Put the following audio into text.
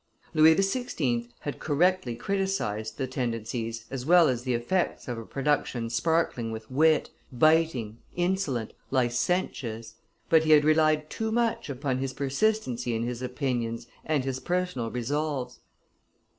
Louis XVI. had correctly criticised the tendencies as well as the effects of a production sparkling with wit, biting, insolent, licentious; but he had relied too much upon his persistency in his opinions and his personal resolves.